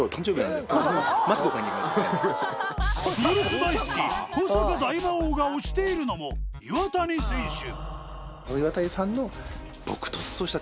プロレス大好き古坂大魔王が推しているのも岩谷選手。